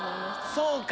そうか！